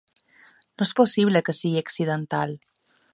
No és possible que sigui accidental.